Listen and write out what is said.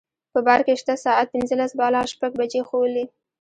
په بار کې شته ساعت پنځلس بالا شپږ بجې ښوولې.